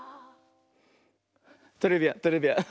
トレビアントレビアン。